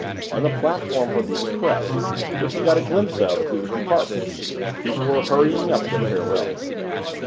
On the platform for the express, which he got a glimpse of through the compartments, people were hurrying up their farewells.